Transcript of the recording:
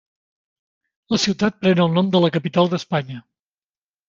La ciutat pren el nom de la capital d'Espanya.